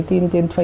thì tôi điện thoại